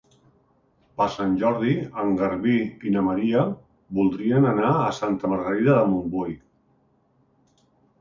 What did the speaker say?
Per Sant Jordi en Garbí i na Maria voldrien anar a Santa Margarida de Montbui.